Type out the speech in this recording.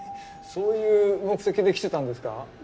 そういう目的で来てたんですか。